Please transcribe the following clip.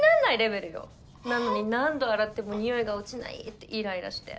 なのに何度洗ってもにおいが落ちないってイライラして。